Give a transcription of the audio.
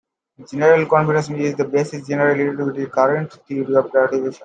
General covariance is the basis of general relativity, the current theory of gravitation.